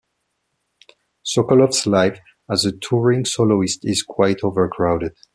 Sokolov's life as a touring soloist is quite overcrowded.